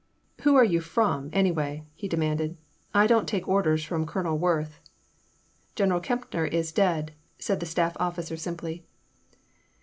Who are you from, anyway ?" he demanded. I don't take orders from Colonel Worth.'* ''General Kempner is dead/' said the staff officer simply.